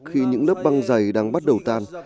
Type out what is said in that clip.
khi những lớp băng dày đang bắt đầu tan